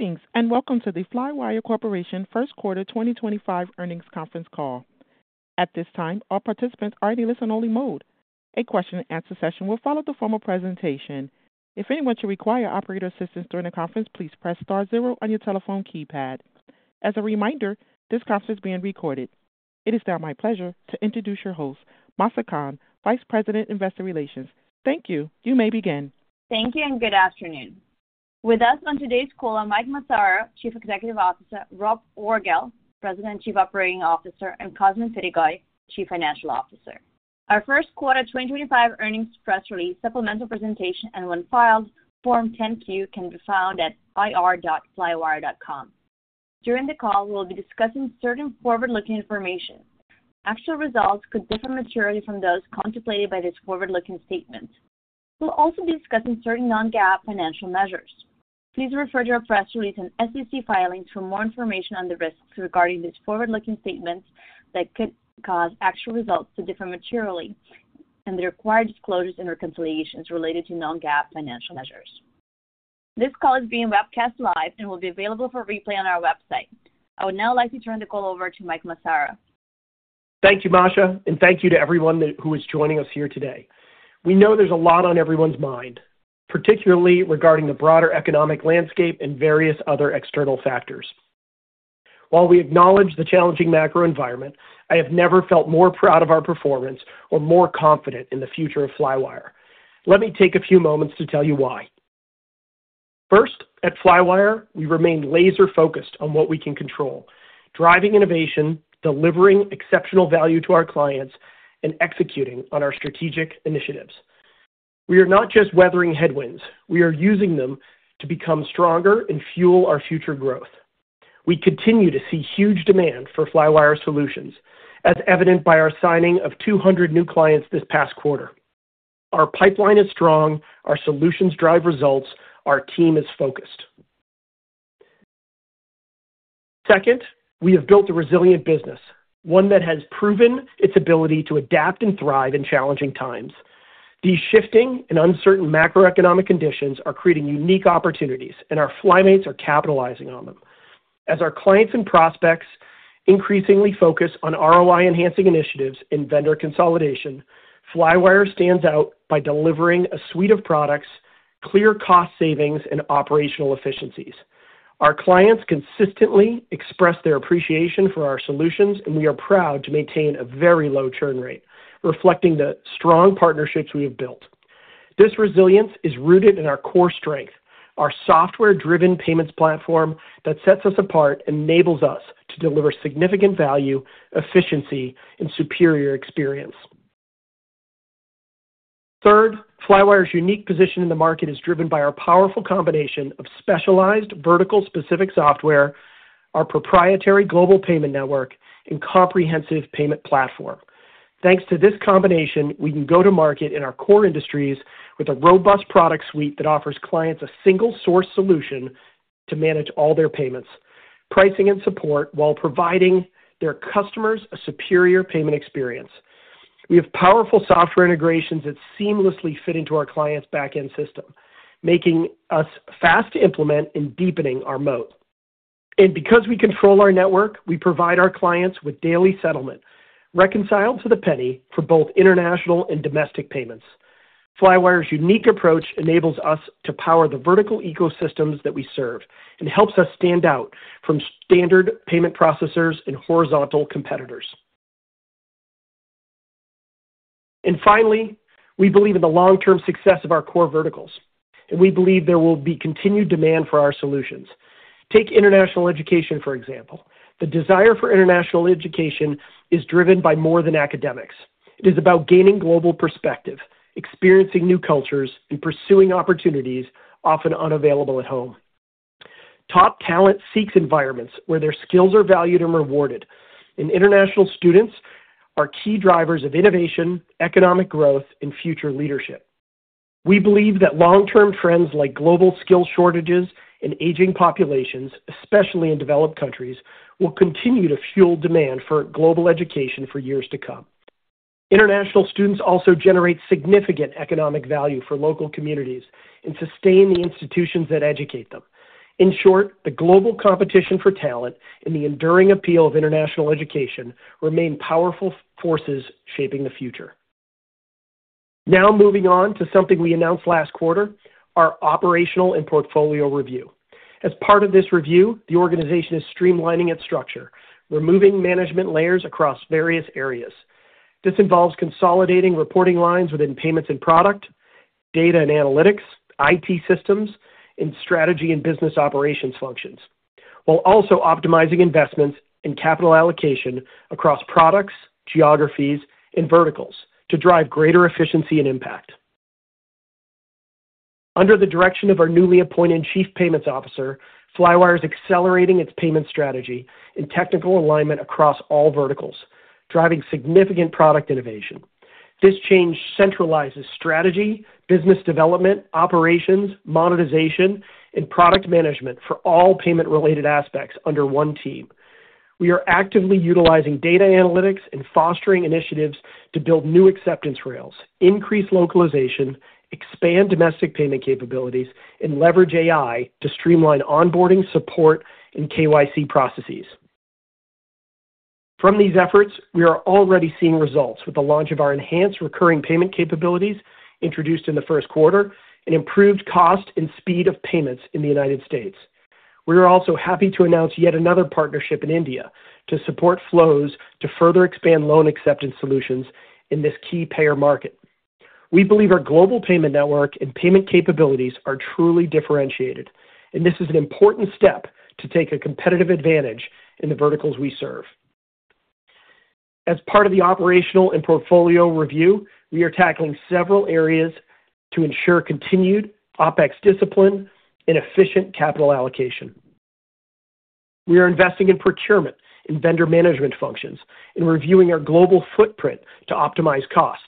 Greetings and welcome to the Flywire Corporation First Quarter 2025 Earnings Conference Call. At this time, all participants are in the listen-only mode. A question-and-answer session will follow the formal presentation. If anyone should require operator assistance during the conference, please press star zero on your telephone keypad. As a reminder, this conference is being recorded. It is now my pleasure to introduce your host, Masha Kahn, Vice President, Investor Relations. Thank you. You may begin. Thank you and good afternoon. With us on today's call are Mike Massaro, Chief Executive Officer; Rob Orgel, President, Chief Operating Officer; and Cosmin Pitigoi, Chief Financial Officer. Our First Quarter 2025 Earnings Press Release Supplemental Presentation and, when filed, Form 10Q can be found at ir.flywire.com. During the call, we'll be discussing certain forward-looking information. Actual results could differ materially from those contemplated by this forward-looking statement. We'll also be discussing certain non-GAAP financial measures. Please refer to our press release and SEC filings for more information on the risks regarding this forward-looking statement that could cause actual results to differ materially and the required disclosures and reconciliations related to non-GAAP financial measures. This call is being webcast live and will be available for replay on our website. I would now like to turn the call over to Mike Massaro. Thank you, Masha, and thank you to everyone who is joining us here today. We know there's a lot on everyone's mind, particularly regarding the broader economic landscape and various other external factors. While we acknowledge the challenging macro environment, I have never felt more proud of our performance or more confident in the future of Flywire. Let me take a few moments to tell you why. First, at Flywire, we remain laser-focused on what we can control, driving innovation, delivering exceptional value to our clients, and executing on our strategic initiatives. We are not just weathering headwinds, we are using them to become stronger and fuel our future growth. We continue to see huge demand for Flywire solutions, as evident by our signing of 200 new clients this past quarter. Our pipeline is strong, our solutions drive results, our team is focused. Second, we have built a resilient business, one that has proven its ability to adapt and thrive in challenging times. These shifting and uncertain macroeconomic conditions are creating unique opportunities, and our Flymates are capitalizing on them. As our clients and prospects increasingly focus on ROI-enhancing initiatives and vendor consolidation, Flywire stands out by delivering a suite of products, clear cost savings, and operational efficiencies. Our clients consistently express their appreciation for our solutions, and we are proud to maintain a very low churn rate, reflecting the strong partnerships we have built. This resilience is rooted in our core strength, our software-driven payments platform that sets us apart and enables us to deliver significant value, efficiency, and superior experience. Third, Flywire's unique position in the market is driven by our powerful combination of specialized vertical-specific software, our proprietary global payment network, and comprehensive payment platform. Thanks to this combination, we can go to market in our core industries with a robust product suite that offers clients a single-source solution to manage all their payments, pricing, and support while providing their customers a superior payment experience. We have powerful software integrations that seamlessly fit into our clients' back-end system, making us fast to implement and deepening our moat. Because we control our network, we provide our clients with daily settlement, reconciled to the penny for both international and domestic payments. Flywire's unique approach enables us to power the vertical ecosystems that we serve and helps us stand out from standard payment processors and horizontal competitors. Finally, we believe in the long-term success of our core verticals, and we believe there will be continued demand for our solutions. Take international education, for example. The desire for international education is driven by more than academics. It is about gaining global perspective, experiencing new cultures, and pursuing opportunities often unavailable at home. Top talent seeks environments where their skills are valued and rewarded, and international students are key drivers of innovation, economic growth, and future leadership. We believe that long-term trends like global skill shortages and aging populations, especially in developed countries, will continue to fuel demand for global education for years to come. International students also generate significant economic value for local communities and sustain the institutions that educate them. In short, the global competition for talent and the enduring appeal of international education remain powerful forces shaping the future. Now moving on to something we announced last quarter, our operational and portfolio review. As part of this review, the organization is streamlining its structure, removing management layers across various areas. This involves consolidating reporting lines within payments and product, data and analytics, IT systems, and strategy and business operations functions, while also optimizing investments and capital allocation across products, geographies, and verticals to drive greater efficiency and impact. Under the direction of our newly appointed Chief Payments Officer, Flywire is accelerating its payment strategy and technical alignment across all verticals, driving significant product innovation. This change centralizes strategy, business development, operations, monetization, and product management for all payment-related aspects under one team. We are actively utilizing data analytics and fostering initiatives to build new acceptance rails, increase localization, expand domestic payment capabilities, and leverage AI to streamline onboarding, support, and KYC processes. From these efforts, we are already seeing results with the launch of our enhanced recurring payment capabilities introduced in the first quarter and improved cost and speed of payments in the United States. We are also happy to announce yet another partnership in India to support flows to further expand loan acceptance solutions in this key payer market. We believe our global payment network and payment capabilities are truly differentiated, and this is an important step to take a competitive advantage in the verticals we serve. As part of the operational and portfolio review, we are tackling several areas to ensure continued OpEx discipline and efficient capital allocation. We are investing in procurement and vendor management functions and reviewing our global footprint to optimize costs.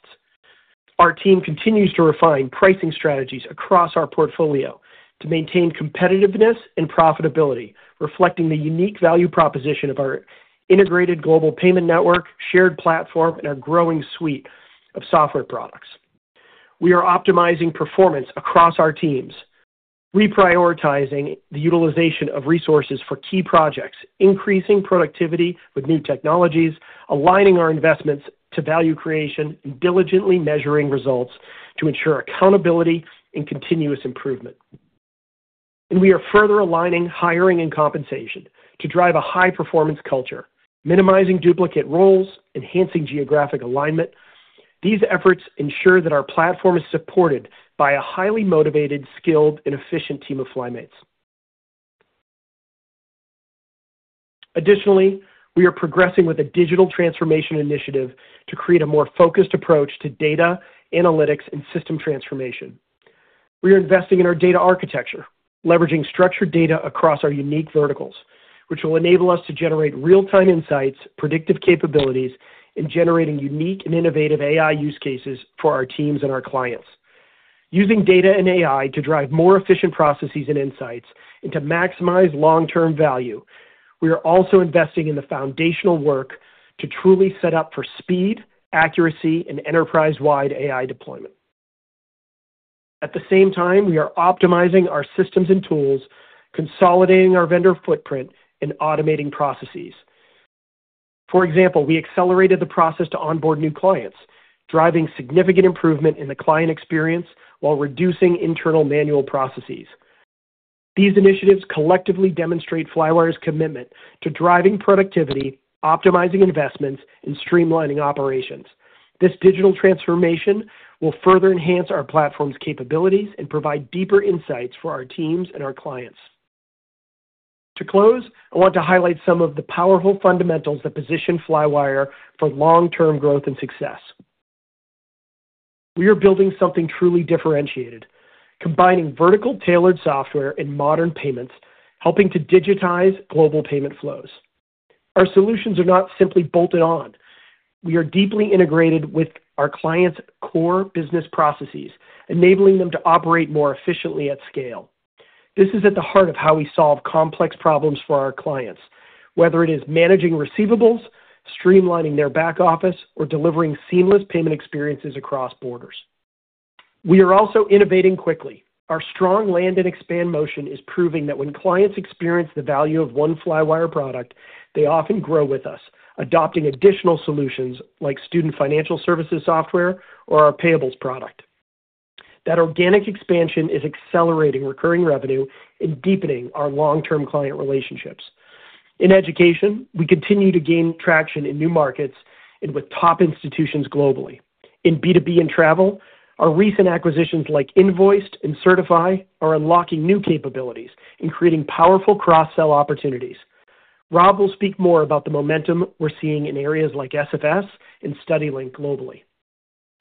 Our team continues to refine pricing strategies across our portfolio to maintain competitiveness and profitability, reflecting the unique value proposition of our integrated global payment network, shared platform, and our growing suite of software products. We are optimizing performance across our teams, reprioritizing the utilization of resources for key projects, increasing productivity with new technologies, aligning our investments to value creation, and diligently measuring results to ensure accountability and continuous improvement. We are further aligning hiring and compensation to drive a high-performance culture, minimizing duplicate roles, enhancing geographic alignment. These efforts ensure that our platform is supported by a highly motivated, skilled, and efficient team of Flymates. Additionally, we are progressing with a digital transformation initiative to create a more focused approach to data, analytics, and system transformation. We are investing in our data architecture, leveraging structured data across our unique verticals, which will enable us to generate real-time insights, predictive capabilities, and generate unique and innovative AI use cases for our teams and our clients. Using data and AI to drive more efficient processes and insights and to maximize long-term value, we are also investing in the foundational work to truly set up for speed, accuracy, and enterprise-wide AI deployment. At the same time, we are optimizing our systems and tools, consolidating our vendor footprint, and automating processes. For example, we accelerated the process to onboard new clients, driving significant improvement in the client experience while reducing internal manual processes. These initiatives collectively demonstrate Flywire's commitment to driving productivity, optimizing investments, and streamlining operations. This digital transformation will further enhance our platform's capabilities and provide deeper insights for our teams and our clients. To close, I want to highlight some of the powerful fundamentals that position Flywire for long-term growth and success. We are building something truly differentiated, combining vertical-tailored software and modern payments, helping to digitize global payment flows. Our solutions are not simply bolted on. We are deeply integrated with our clients' core business processes, enabling them to operate more efficiently at scale. This is at the heart of how we solve complex problems for our clients, whether it is managing receivables, streamlining their back office, or delivering seamless payment experiences across borders. We are also innovating quickly. Our strong land and expand motion is proving that when clients experience the value of one Flywire product, they often grow with us, adopting additional solutions like student financial services software or our payables product. That organic expansion is accelerating recurring revenue and deepening our long-term client relationships. In education, we continue to gain traction in new markets and with top institutions globally. In B2B and travel, our recent acquisitions like Invoiced and Sertifi are unlocking new capabilities and creating powerful cross-sell opportunities. Rob will speak more about the momentum we're seeing in areas like SFS and StudyLink globally.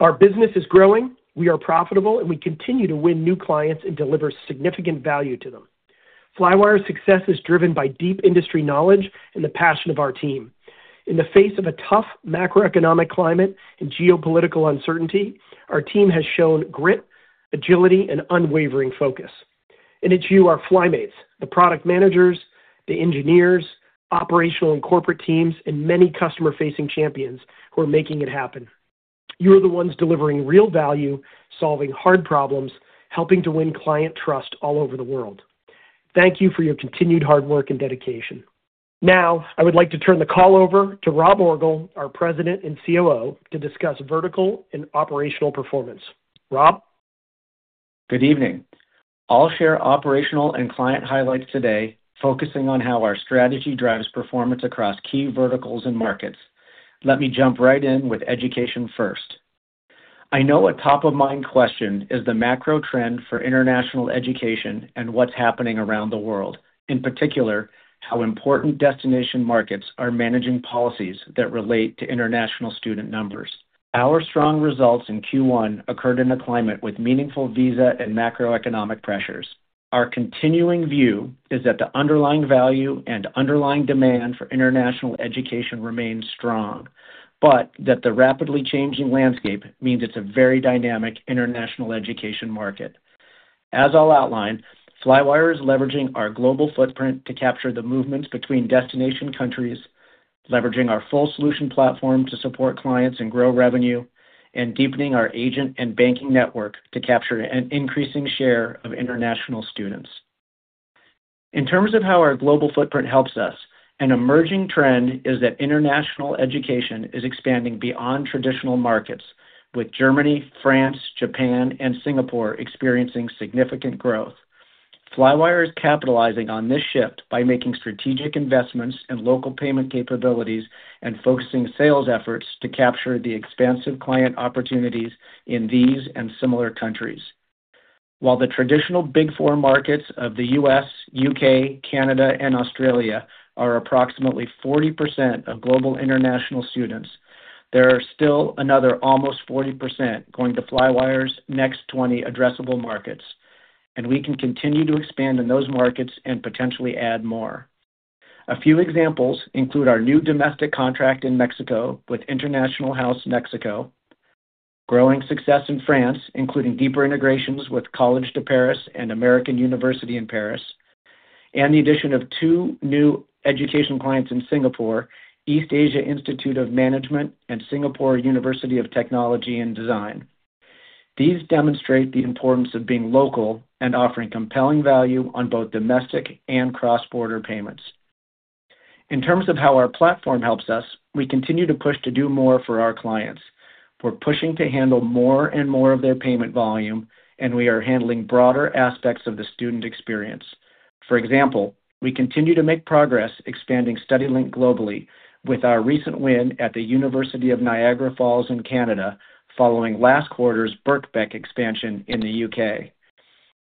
Our business is growing, we are profitable, and we continue to win new clients and deliver significant value to them. Flywire's success is driven by deep industry knowledge and the passion of our team. In the face of a tough macroeconomic climate and geopolitical uncertainty, our team has shown grit, agility, and unwavering focus. It is you, our Flymates, the product managers, the engineers, operational and corporate teams, and many customer-facing champions who are making it happen. You are the ones delivering real value, solving hard problems, helping to win client trust all over the world. Thank you for your continued hard work and dedication. Now, I would like to turn the call over to Rob Orgel, our President and COO, to discuss vertical and operational performance. Rob? Good evening. I'll share operational and client highlights today, focusing on how our strategy drives performance across key verticals and markets. Let me jump right in with education first. I know a top-of-mind question is the macro trend for international education and what's happening around the world. In particular, how important destination markets are managing policies that relate to international student numbers. Our strong results in Q1 occurred in a climate with meaningful visa and macroeconomic pressures. Our continuing view is that the underlying value and underlying demand for international education remains strong, but that the rapidly changing landscape means it's a very dynamic international education market. As I'll outline, Flywire is leveraging our global footprint to capture the movements between destination countries, leveraging our full solution platform to support clients and grow revenue, and deepening our agent and banking network to capture an increasing share of international students. In terms of how our global footprint helps us, an emerging trend is that international education is expanding beyond traditional markets, with Germany, France, Japan, and Singapore experiencing significant growth. Flywire is capitalizing on this shift by making strategic investments in local payment capabilities and focusing sales efforts to capture the expansive client opportunities in these and similar countries. While the traditional Big Four markets of the U.S., U.K., Canada, and Australia are approximately 40% of global international students, there are still another almost 40% going to Flywire's next 20 addressable markets, and we can continue to expand in those markets and potentially add more. A few examples include our new domestic contract in Mexico with International House Mexico, growing success in France, including deeper integrations with College de Paris and American University in Paris, and the addition of two new education clients in Singapore, East Asia Institute of Management and Singapore University of Technology and Design. These demonstrate the importance of being local and offering compelling value on both domestic and cross-border payments. In terms of how our platform helps us, we continue to push to do more for our clients. We're pushing to handle more and more of their payment volume, and we are handling broader aspects of the student experience. For example, we continue to make progress expanding StudyLink globally with our recent win at the University of Niagara Falls in Canada following last quarter's Birkbeck expansion in the U.K.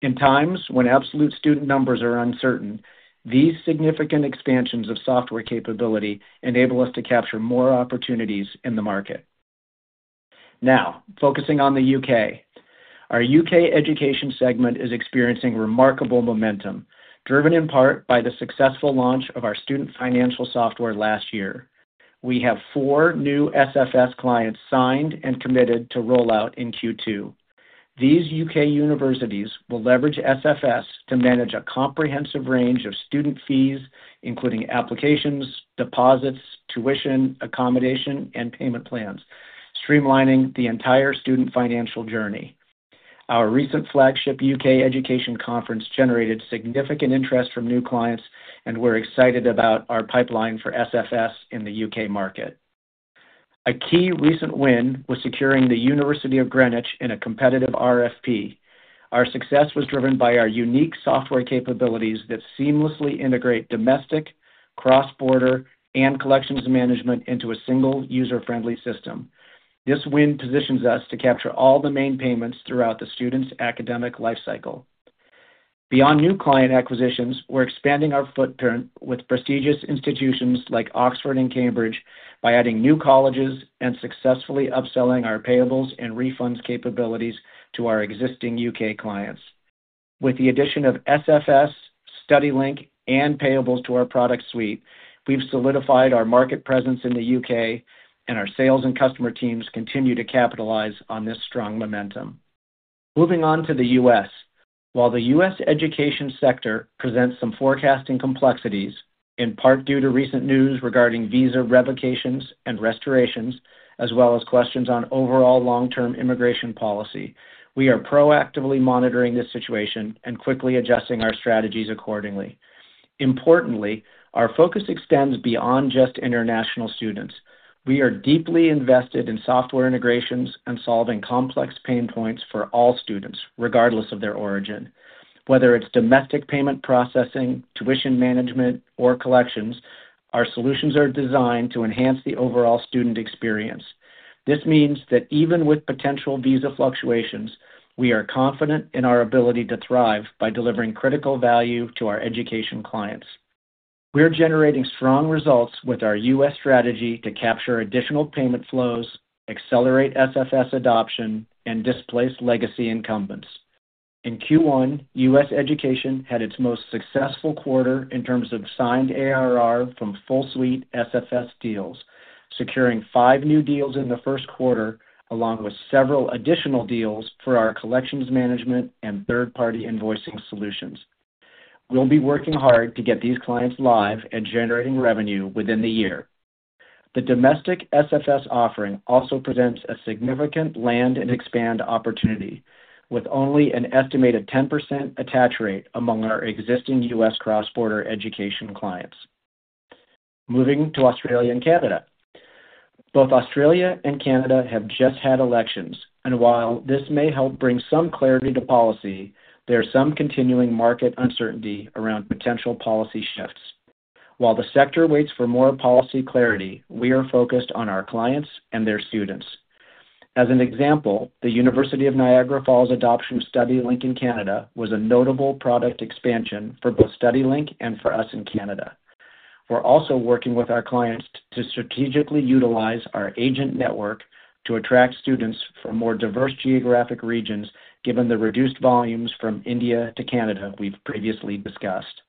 In times when absolute student numbers are uncertain, these significant expansions of software capability enable us to capture more opportunities in the market. Now, focusing on the U.K., our U.K. education segment is experiencing remarkable momentum, driven in part by the successful launch of our student financial software last year. We have four new SFS clients signed and committed to rollout in Q2. These U.K. universities will leverage SFS to manage a comprehensive range of student fees, including applications, deposits, tuition, accommodation, and payment plans, streamlining the entire student financial journey. Our recent flagship U.K. education conference generated significant interest from new clients, and we're excited about our pipeline for SFS in the U.K. market. A key recent win was securing the University of Greenwich in a competitive RFP. Our success was driven by our unique software capabilities that seamlessly integrate domestic, cross-border, and Collections Management into a single user-friendly system. This win positions us to capture all the main payments throughout the student's academic lifecycle. Beyond new client acquisitions, we're expanding our footprint with prestigious institutions like Oxford and Cambridge by adding new colleges and successfully upselling our payables and refunds capabilities to our existing U.K. clients. With the addition of SFS, StudyLink, and payables to our product suite, we've solidified our market presence in the U.K., and our sales and customer teams continue to capitalize on this strong momentum. Moving on to the U.S., while the U.S. education sector presents some forecasting complexities, in part due to recent news regarding visa revocations and restorations, as well as questions on overall long-term immigration policy, we are proactively monitoring this situation and quickly adjusting our strategies accordingly. Importantly, our focus extends beyond just international students. We are deeply invested in software integrations and solving complex pain points for all students, regardless of their origin. Whether it's domestic payment processing, tuition management, or collections, our solutions are designed to enhance the overall student experience. This means that even with potential visa fluctuations, we are confident in our ability to thrive by delivering critical value to our education clients. We're generating strong results with our U.S. strategy to capture additional payment flows, accelerate SFS adoption, and displace legacy incumbents. In Q1, U.S. education had its most successful quarter in terms of signed ARR from full-suite SFS deals, securing five new deals in the first quarter, along with several additional deals for our Collections Management and third-party invoicing solutions. We'll be working hard to get these clients live and generating revenue within the year. The domestic SFS offering also presents a significant land and expand opportunity, with only an estimated 10% attach rate among our existing U.S. cross-border education clients. Moving to Australia and Canada. Both Australia and Canada have just had elections, and while this may help bring some clarity to policy, there is some continuing market uncertainty around potential policy shifts. While the sector waits for more policy clarity, we are focused on our clients and their students. As an example, the University of Niagara Falls adoption of StudyLink in Canada was a notable product expansion for both StudyLink and for us in Canada. We're also working with our clients to strategically utilize our agent network to attract students from more diverse geographic regions, given the reduced volumes from India to Canada we've previously discussed.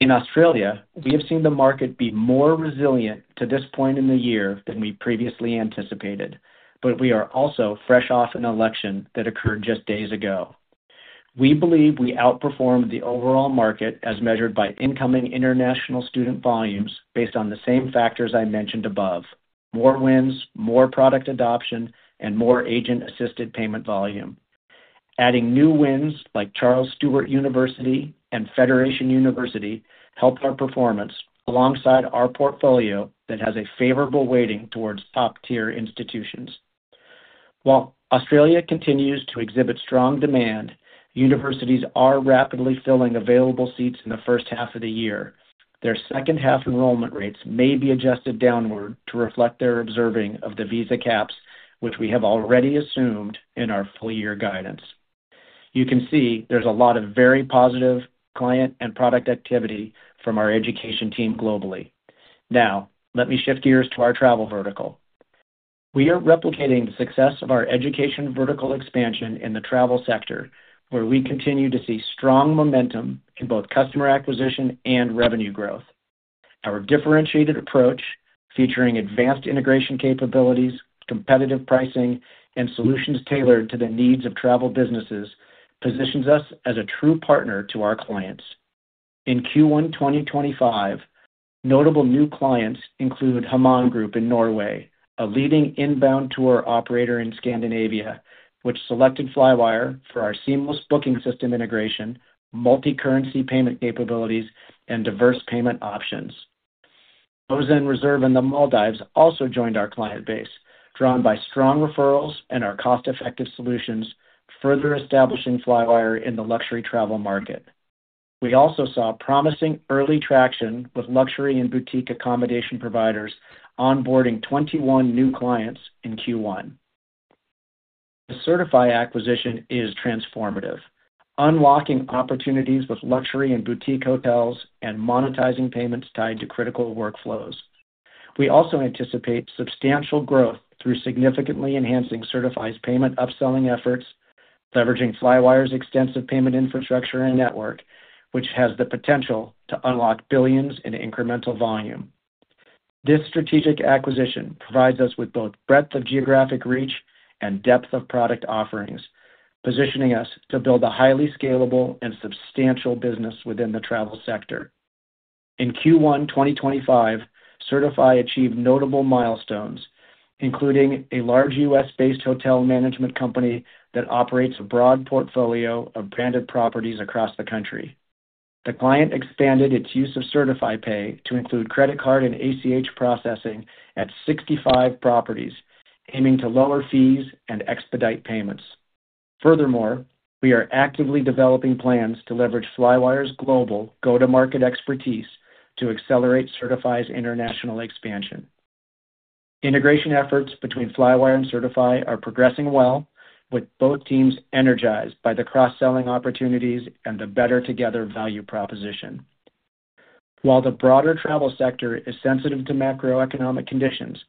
In Australia, we have seen the market be more resilient to this point in the year than we previously anticipated, but we are also fresh off an election that occurred just days ago. We believe we outperformed the overall market as measured by incoming international student volumes based on the same factors I mentioned above: more wins, more product adoption, and more agent-assisted payment volume. Adding new wins like Charles Sturt University and Federation University helped our performance alongside our portfolio that has a favorable weighting towards top-tier institutions. While Australia continues to exhibit strong demand, universities are rapidly filling available seats in the first half of the year. Their second-half enrollment rates may be adjusted downward to reflect their observing of the visa caps, which we have already assumed in our full-year guidance. You can see there's a lot of very positive client and product activity from our education team globally. Now, let me shift gears to our travel vertical. We are replicating the success of our education vertical expansion in the travel sector, where we continue to see strong momentum in both customer acquisition and revenue growth. Our differentiated approach, featuring advanced integration capabilities, competitive pricing, and solutions tailored to the needs of travel businesses, positions us as a true partner to our clients. In Q1 2025, notable new clients include Hamon Group in Norway, a leading inbound tour operator in Scandinavia, which selected Flywire for our seamless booking system integration, multi-currency payment capabilities, and diverse payment options. Rosen Reserve in the Maldives also joined our client base, drawn by strong referrals and our cost-effective solutions, further establishing Flywire in the luxury travel market. We also saw promising early traction with luxury and boutique accommodation providers onboarding 21 new clients in Q1. The Sertifi acquisition is transformative, unlocking opportunities with luxury and boutique hotels and monetizing payments tied to critical workflows. We also anticipate substantial growth through significantly enhancing Sertifi's payment upselling efforts, leveraging Flywire's extensive payment infrastructure and network, which has the potential to unlock billions in incremental volume. This strategic acquisition provides us with both breadth of geographic reach and depth of product offerings, positioning us to build a highly scalable and substantial business within the travel sector. In Q1 2025, Sertifi achieved notable milestones, including a large U.S.-based hotel management company that operates a broad portfolio of branded properties across the country. The client expanded its use of Sertifi Pay to include credit card and ACH processing at 65 properties, aiming to lower fees and expedite payments. Furthermore, we are actively developing plans to leverage Flywire's global go-to-market expertise to accelerate Sertifi's international expansion. Integration efforts between Flywire and Sertifi are progressing well, with both teams energized by the cross-selling opportunities and the better-together value proposition. While the broader travel sector is sensitive to macroeconomic conditions,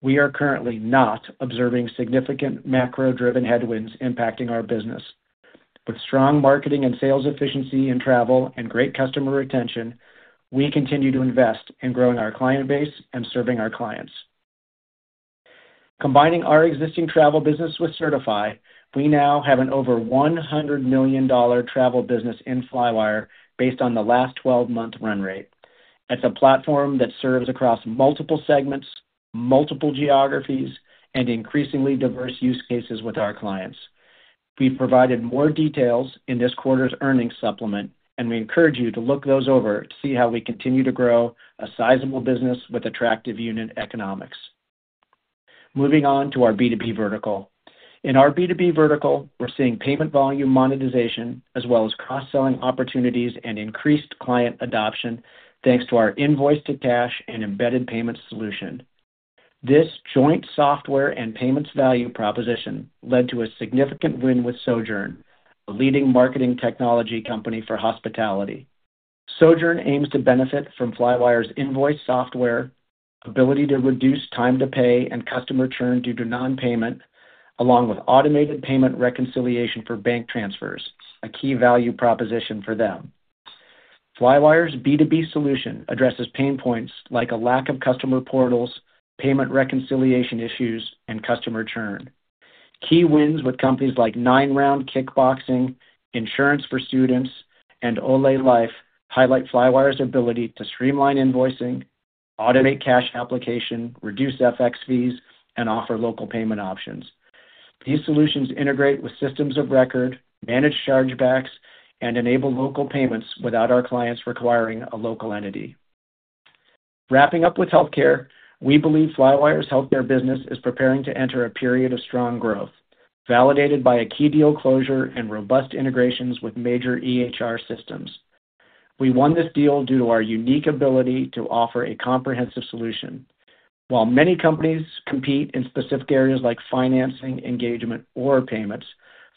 we are currently not observing significant macro-driven headwinds impacting our business. With strong marketing and sales efficiency in travel and great customer retention, we continue to invest in growing our client base and serving our clients. Combining our existing travel business with Sertifi, we now have an over $100 million travel business in Flywire based on the last 12-month run rate. It is a platform that serves across multiple segments, multiple geographies, and increasingly diverse use cases with our clients. We've provided more details in this quarter's earnings supplement, and we encourage you to look those over to see how we continue to grow a sizable business with attractive unit economics. Moving on to our B2B vertical. In our B2B vertical, we're seeing payment volume monetization as well as cross-selling opportunities and increased client adoption thanks to our invoice-to-cash and embedded payment solution. This joint software and payments value proposition led to a significant win with Sojourn, a leading marketing technology company for hospitality. Sojourn aims to benefit from Flywire's invoice software, ability to reduce time to pay and customer churn due to non-payment, along with automated payment reconciliation for bank transfers, a key value proposition for them. Flywire's B2B solution addresses pain points like a lack of customer portals, payment reconciliation issues, and customer churn. Key wins with companies like NineRound Kickboxing, Insurance for Students, and Olay Life highlight Flywire's ability to streamline invoicing, automate cash application, reduce FX fees, and offer local payment options. These solutions integrate with systems of record, manage chargebacks, and enable local payments without our clients requiring a local entity. Wrapping up with healthcare, we believe Flywire's healthcare business is preparing to enter a period of strong growth, validated by a key deal closure and robust integrations with major EHR systems. We won this deal due to our unique ability to offer a comprehensive solution. While many companies compete in specific areas like financing, engagement, or payments,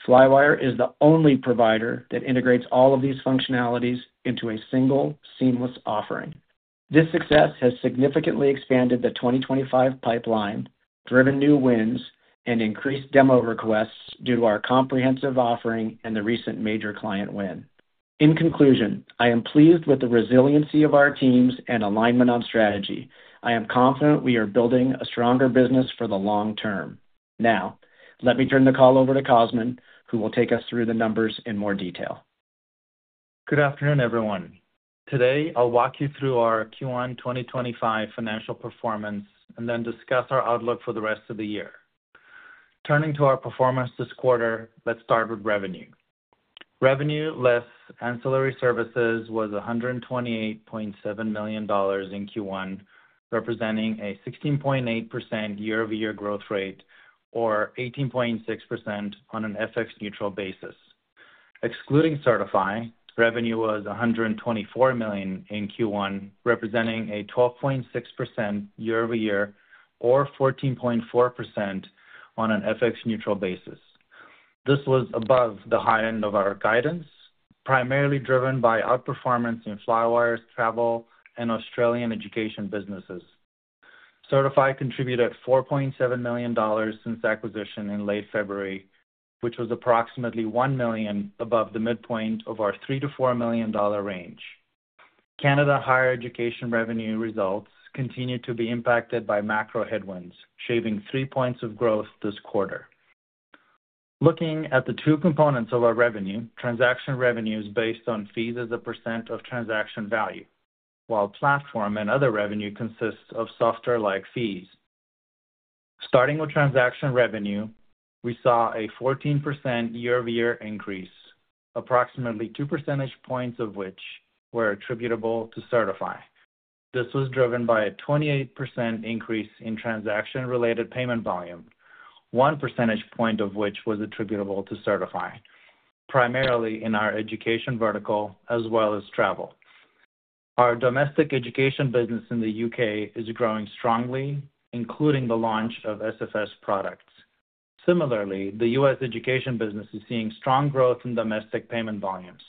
Flywire is the only provider that integrates all of these functionalities into a single, seamless offering. This success has significantly expanded the 2025 pipeline, driven new wins, and increased demo requests due to our comprehensive offering and the recent major client win. In conclusion, I am pleased with the resiliency of our teams and alignment on strategy. I am confident we are building a stronger business for the long term. Now, let me turn the call over to Cosmin, who will take us through the numbers in more detail. Good afternoon, everyone. Today, I'll walk you through our Q1 2025 financial performance and then discuss our outlook for the rest of the year. Turning to our performance this quarter, let's start with revenue. Revenue less ancillary services was $128.7 million in Q1, representing a 16.8% YoY growth rate, or 18.6% on an FX-neutral basis. Excluding Sertifi, revenue was $124 million in Q1, representing a 12.6% YoY, or 14.4% on an FX-neutral basis. This was above the high end of our guidance, primarily driven by outperformance in Flywire's travel and Australian education businesses. Sertifi contributed $4.7 million since acquisition in late February, which was approximately $1 million above the midpoint of our $3-$4 million range. Canada higher education revenue results continued to be impacted by macro headwinds, shaving three percentage points of growth this quarter. Looking at the two components of our revenue, transaction revenue is based on fees as a percent of transaction value, while platform and other revenue consists of software-like fees. Starting with transaction revenue, we saw a 14% YoY increase, approximately two percentage points of which were attributable to Sertifi. This was driven by a 28% increase in transaction-related payment volume, one percentage point of which was attributable to Sertifi, primarily in our education vertical as well as travel. Our domestic education business in the U.K. is growing strongly, including the launch of SFS products. Similarly, the U.S. education business is seeing strong growth in domestic payment volumes.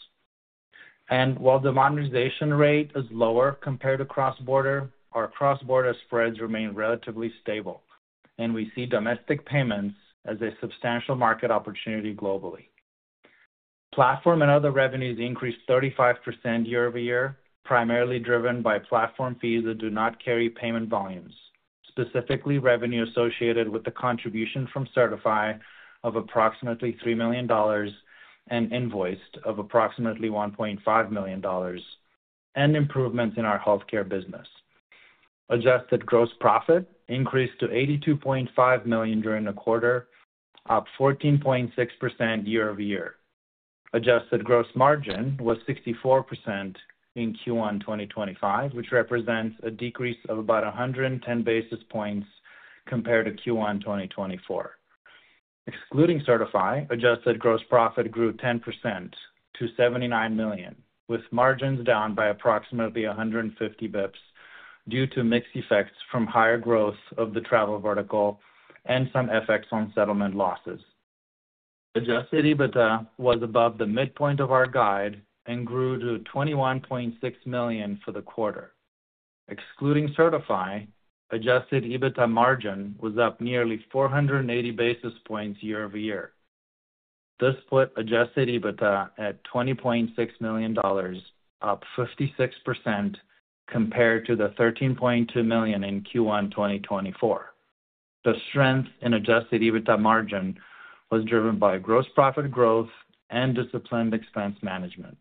While the monetization rate is lower compared to cross-border, our cross-border spreads remain relatively stable, and we see domestic payments as a substantial market opportunity globally. Platform and other revenues increased 35% YoY, primarily driven by platform fees that do not carry payment volumes, specifically revenue associated with the contribution from Sertifi of approximately $3 million and Invoiced of approximately $1.5 million, and improvements in our healthcare business. Adjusted gross profit increased to $82.5 million during the quarter, up 14.6% YoY. Adjusted gross margin was 64% in Q1 2025, which represents a decrease of about 110 bps compared to Q1 2024. Excluding Sertifi, adjusted gross profit grew 10% to $79 million, with margins down by approximately 150 bps due to mixed effects from higher growth of the travel vertical and some FX on settlement losses. Adjusted EBITDA was above the midpoint of our guide and grew to $21.6 million for the quarter. Excluding Sertifi, adjusted EBITDA margin was up nearly 480 bps YoY. This put adjusted EBITDA at $20.6 million, up 56% compared to the $13.2 million in Q1 2024. The strength in adjusted EBITDA margin was driven by gross profit growth and disciplined expense management.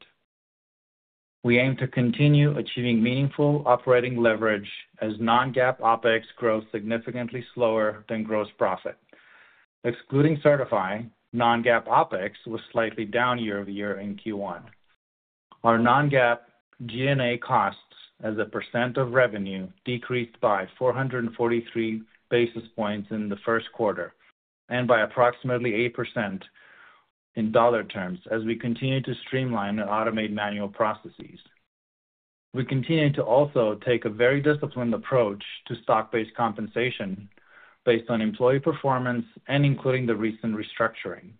We aim to continue achieving meaningful operating leverage as non-GAAP OPEX grows significantly slower than gross profit. Excluding Sertifi, non-GAAP OPEX was slightly down YoY in Q1. Our non-GAAP G&A costs as a percent of revenue decreased by 443 bps in the first quarter and by approximately 8% in dollar terms as we continue to streamline and automate manual processes. We continue to also take a very disciplined approach to stock-based compensation based on employee performance and including the recent restructuring.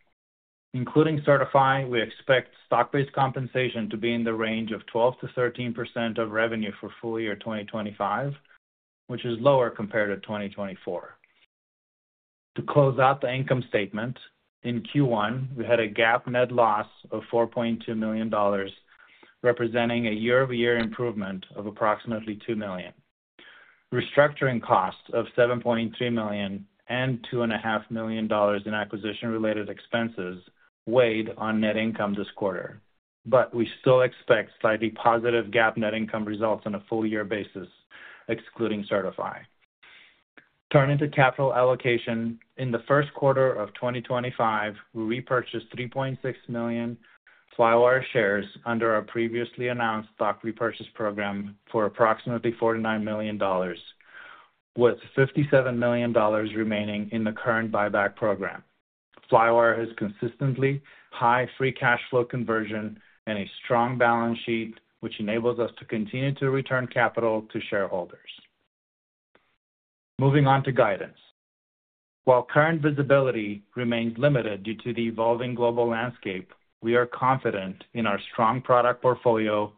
Including Sertifi, we expect stock-based compensation to be in the range of 12%-13% of revenue for full year 2025, which is lower compared to 2024. To close out the income statement, in Q1, we had a GAAP net loss of $4.2 million, representing a YoY improvement of approximately $2 million. Restructuring costs of $7.3 million and $2.5 million in acquisition-related expenses weighed on net income this quarter, but we still expect slightly positive GAAP net income results on a full year basis, excluding Sertifi. Turning to capital allocation, in the first quarter of 2025, we repurchased $3.6 million Flywire shares under our previously announced stock repurchase program for approximately $49 million, with $57 million remaining in the current buyback program. Flywire has consistently high free cash flow conversion and a strong balance sheet, which enables us to continue to return capital to shareholders. Moving on to guidance. While current visibility remains limited due to the evolving global landscape, we are confident in our strong product portfolio,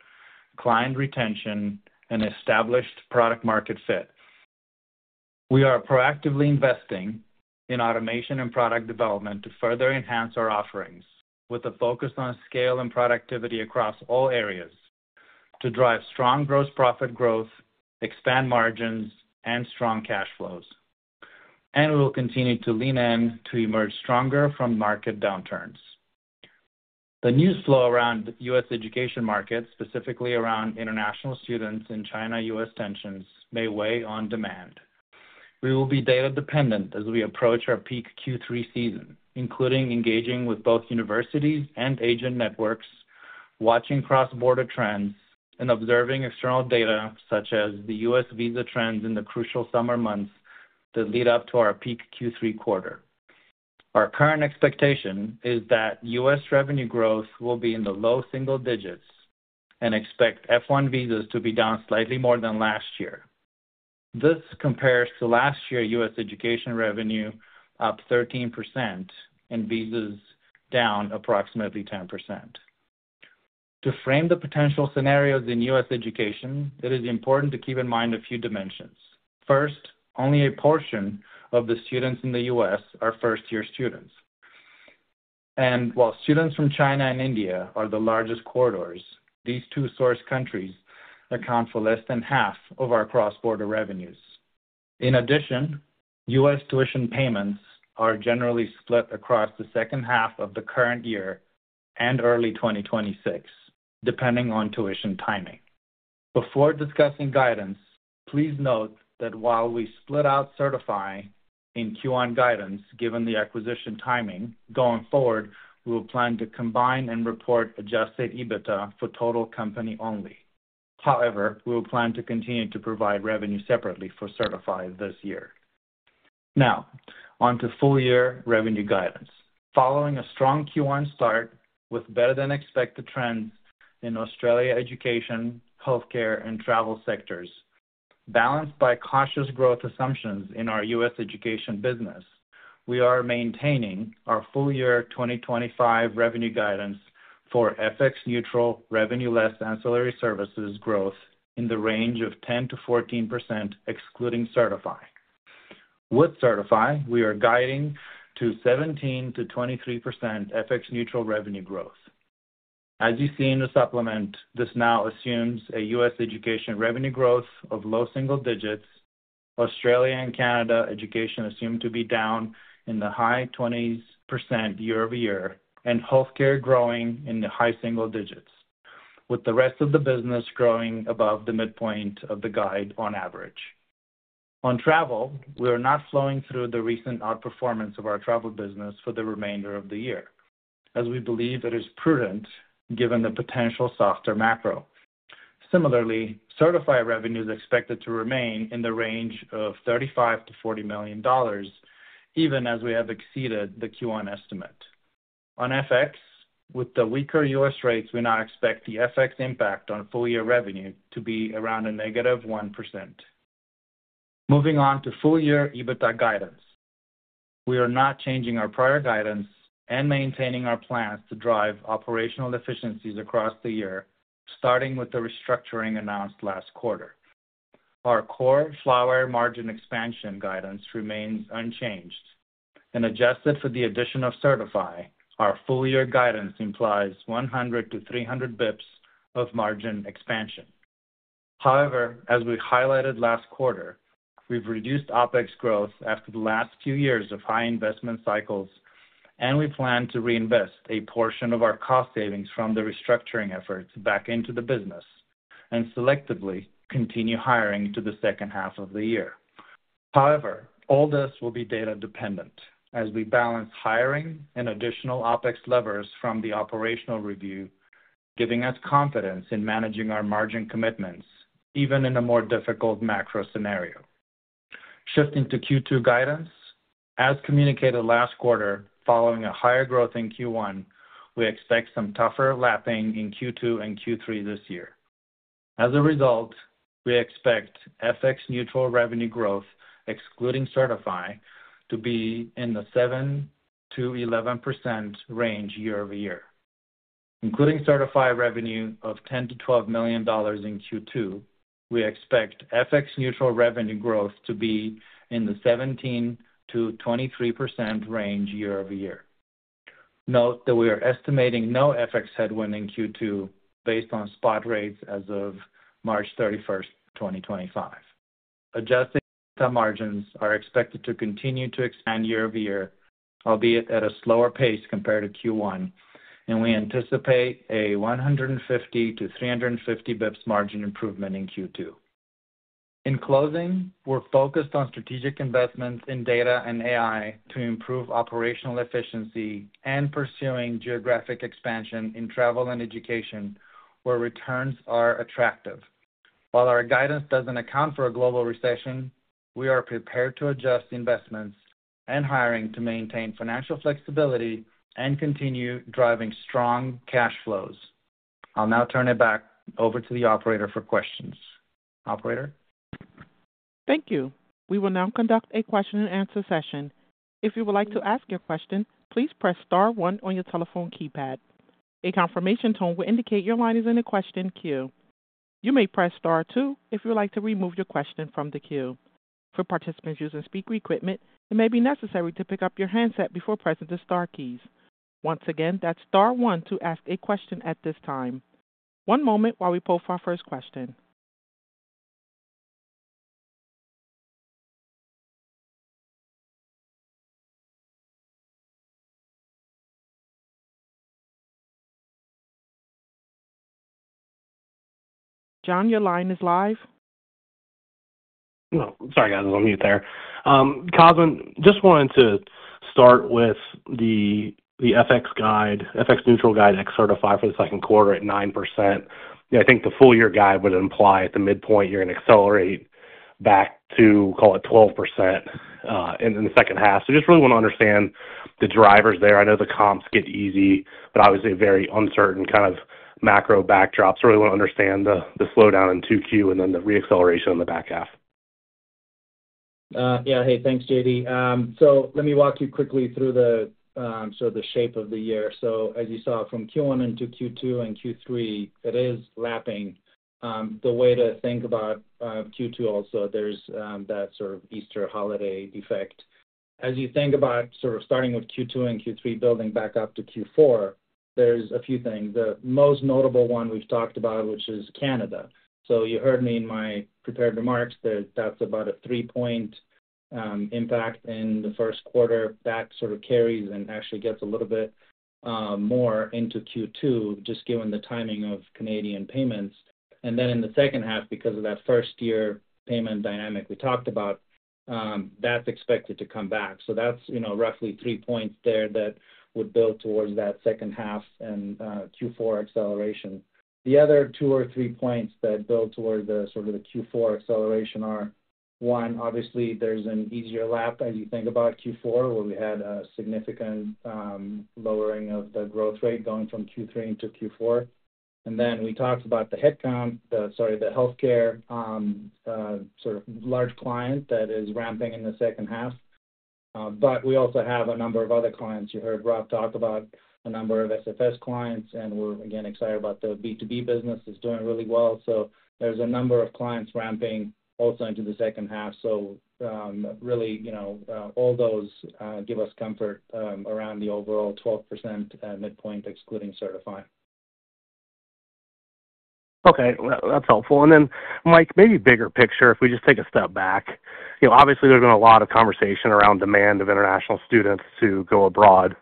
client retention, and established product-market fit. We are proactively investing in automation and product development to further enhance our offerings, with a focus on scale and productivity across all areas to drive strong gross profit growth, expand margins, and strong cash flows. We will continue to lean in to emerge stronger from market downturns. The news flow around the U.S. education market, specifically around international students and China-U.S. tensions, may weigh on demand. We will be data-dependent as we approach our peak Q3 season, including engaging with both universities and agent networks, watching cross-border trends, and observing external data such as the U.S. visa trends in the crucial summer months that lead up to our peak Q3 quarter. Our current expectation is that U.S. revenue growth will be in the low single digits and expect F1 visas to be down slightly more than last year. This compares to last year's U.S. education revenue, up 13%, and visas down approximately 10%. To frame the potential scenarios in U.S. education, it is important to keep in mind a few dimensions. First, only a portion of the students in the U.S. are first-year students. While students from China and India are the largest corridors, these two source countries account for less than half of our cross-border revenues. In addition, U.S. tuition payments are generally split across the second half of the current year and early 2026, depending on tuition timing. Before discussing guidance, please note that while we split out Sertifi in Q1 guidance given the acquisition timing, going forward, we will plan to combine and report adjusted EBITDA for total company only. However, we will plan to continue to provide revenue separately for Sertifi this year. Now, on to full-year revenue guidance. Following a strong Q1 start with better-than-expected trends in Australia education, healthcare, and travel sectors, balanced by cautious growth assumptions in our U.S. education business, we are maintaining our full-year 2025 revenue guidance for FX-neutral revenue less ancillary services growth in the range of 10%-14%, excluding Sertifi. With Sertifi, we are guiding to 17%-23% FX-neutral revenue growth. As you see in the supplement, this now assumes a U.S. education revenue growth of low single digits. Australia and Canada education assumed to be down in the high 20% YoY, and healthcare growing in the high single digits, with the rest of the business growing above the midpoint of the guide on average. On travel, we are not flowing through the recent outperformance of our travel business for the remainder of the year, as we believe it is prudent given the potential softer macro. Similarly, Sertifi revenue is expected to remain in the range of $35-$40 million, even as we have exceeded the Q1 estimate. On FX, with the weaker U.S. rates, we now expect the FX impact on full-year revenue to be around a negative 1%. Moving on to full-year EBITDA guidance. We are not changing our prior guidance and maintaining our plans to drive operational efficiencies across the year, starting with the restructuring announced last quarter. Our core Flywire margin expansion guidance remains unchanged. Adjusted for the addition of Sertifi, our full-year guidance implies 100 to 300 bps of margin expansion. However, as we highlighted last quarter, we have reduced OPEX growth after the last few years of high investment cycles, and we plan to reinvest a portion of our cost savings from the restructuring efforts back into the business and selectively continue hiring to the second half of the year. However, all this will be data-dependent as we balance hiring and additional OPEX levers from the operational review, giving us confidence in managing our margin commitments, even in a more difficult macro scenario. Shifting to Q2 guidance, as communicated last quarter, following a higher growth in Q1, we expect some tougher lapping in Q2 and Q3 this year. As a result, we expect FX-neutral revenue growth, excluding Sertifi, to be in the 7%-11% range YoY. Including Sertifi revenue of $10-$12 million in Q2, we expect FX-neutral revenue growth to be in the 17%-23% range YoY. Note that we are estimating no FX headwind in Q2 based on spot rates as of March 31, 2025. Adjusted EBITDA margins are expected to continue to expand YoY, albeit at a slower pace compared to Q1, and we anticipate a 150 to 350 bps margin improvement in Q2. In closing, we're focused on strategic investments in data and AI to improve operational efficiency and pursuing geographic expansion in travel and education where returns are attractive. While our guidance doesn't account for a global recession, we are prepared to adjust investments and hiring to maintain financial flexibility and continue driving strong cash flows. I'll now turn it back over to the operator for questions. Operator. Thank you. We will now conduct a question-and-answer session. If you would like to ask your question, please press Star one on your telephone keypad. A confirmation tone will indicate your line is in a question queue. You may press Star two if you would like to remove your question from the queue. For participants using speaker equipment, it may be necessary to pick up your handset before pressing the Star keys. Once again, that's Star one to ask a question at this time. One moment while we pull for our first question. John, your line is live. Sorry, guys, I was on mute there. Cosmin, just wanted to start with the FX guide, FX-neutral guide at Sertifi for the second quarter at 9%. I think the full-year guide would imply at the midpoint you're going to accelerate back to, call it, 12% in the second half. So just really want to understand the drivers there. I know the comps get easy, but obviously a very uncertain kind of macro backdrop. So really want to understand the slowdown in Q2 and then the reacceleration in the back half. Yeah. Hey, thanks, JD. So let me walk you quickly through the shape of the year. As you saw from Q1 into Q2 and Q3, it is lapping. The way to think about Q2 also, there's that sort of Easter holiday effect. As you think about sort of starting with Q2 and Q3, building back up to Q4, there's a few things. The most notable one we've talked about, which is Canada. You heard me in my prepared remarks that that's about a three-point impact in the first quarter. That sort of carries and actually gets a little bit more into Q2, just given the timing of Canadian payments. In the second half, because of that first-year payment dynamic we talked about, that's expected to come back. That's roughly three points there that would build towards that second half and Q4 acceleration. The other two or three points that build towards sort of the Q4 acceleration are, one, obviously there's an easier lap as you think about Q4, where we had a significant lowering of the growth rate going from Q3 into Q4. We talked about the headcount, sorry, the healthcare sort of large client that is ramping in the second half. We also have a number of other clients. You heard Rob talk about a number of SFS clients, and we're, again, excited about the B2B business that's doing really well. There's a number of clients ramping also into the second half. Really, all those give us comfort around the overall 12% midpoint, excluding Sertifi. Okay. That's helpful. Then, Mike, maybe bigger picture, if we just take a step back, obviously there's been a lot of conversation around demand of international students to go abroad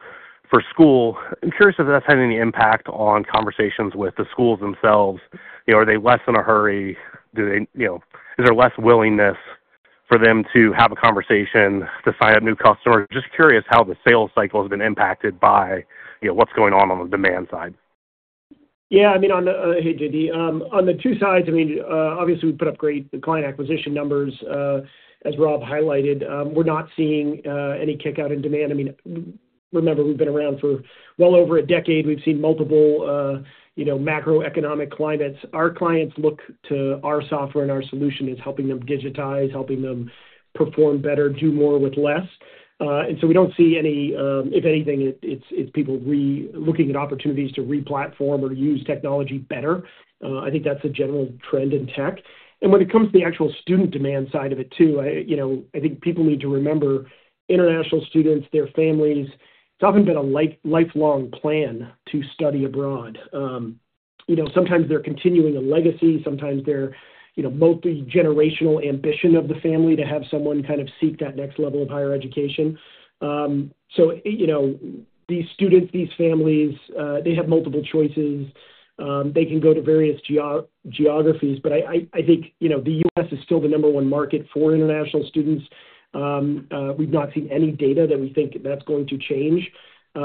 for school. I'm curious if that's had any impact on conversations with the schools themselves. Are they less in a hurry? Is there less willingness for them to have a conversation to sign up new customers? Just curious how the sales cycle has been impacted by what's going on on the demand side. Yeah. I mean, hey, JD, on the two sides, I mean, obviously we put up great client acquisition numbers, as Rob highlighted. We're not seeing any kickout in demand. I mean, remember, we've been around for well over a decade. We've seen multiple macroeconomic climates. Our clients look to our software and our solution as helping them digitize, helping them perform better, do more with less. If anything, it's people looking at opportunities to replatform or use technology better. I think that's a general trend in tech. When it comes to the actual student demand side of it too, I think people need to remember international students, their families. It's often been a lifelong plan to study abroad. Sometimes they're continuing a legacy. Sometimes they're multi-generational ambition of the family to have someone kind of seek that next level of higher education. These students, these families, they have multiple choices. They can go to various geographies, but I think the U.S. is still the number one market for international students. We've not seen any data that we think that's going to change. A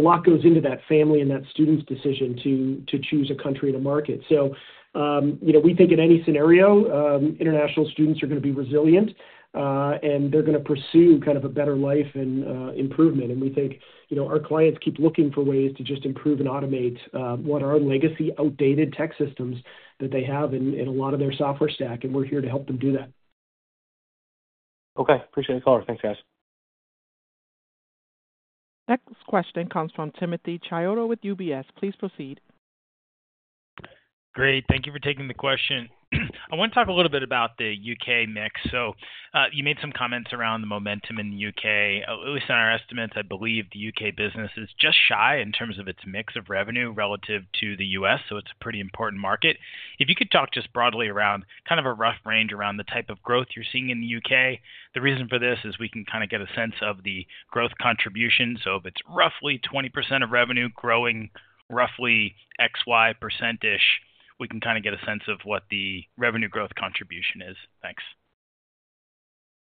lot goes into that family and that student's decision to choose a country and a market. We think in any scenario, international students are going to be resilient, and they're going to pursue kind of a better life and improvement. We think our clients keep looking for ways to just improve and automate what are legacy outdated tech systems that they have in a lot of their software stack, and we're here to help them do that. Okay. Appreciate the call. Thanks, guys. Next question comes from Timothy Chiodo with UBS. Please proceed. Great. Thank you for taking the question. I want to talk a little bit about the U.K. mix. You made some comments around the momentum in the U.K. At least in our estimates, I believe the U.K. business is just shy in terms of its mix of revenue relative to the U.S., so it is a pretty important market. If you could talk just broadly around kind of a rough range around the type of growth you are seeing in the U.K., the reason for this is we can kind of get a sense of the growth contribution. If it is roughly 20% of revenue growing roughly XY%-ish, we can kind of get a sense of what the revenue growth contribution is. Thanks.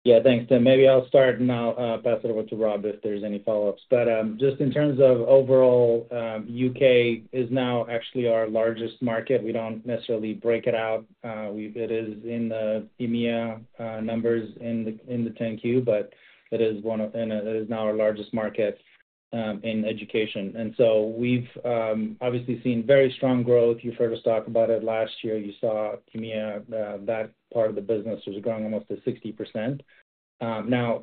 Yeah. Thanks, Tim. Maybe I will start and I will pass it over to Rob if there are any follow-ups. Just in terms of overall, U.K. is now actually our largest market. We don't necessarily break it out. It is in the EMEA numbers in the 10Q, but it is one of, and it is now our largest market in education. We have obviously seen very strong growth. You have heard us talk about it last year. You saw EMEA, that part of the business was growing almost to 60%. Now,